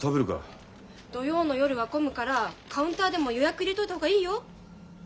土曜の夜は混むからカウンターでも予約入れといた方がいいよ？